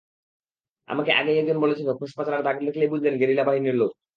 আমাকে আগেই একজন বলেছিল, খোসপাঁচড়ার দাগ দেখলেই বুঝবেন গেরিলা বাহিনীর লোক।